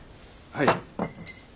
はい。